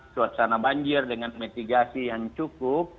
suasana banjir dengan mitigasi yang cukup